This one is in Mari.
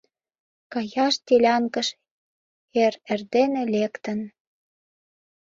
Каяш делянкыш эр эрдене лектын!